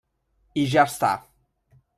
I ja està.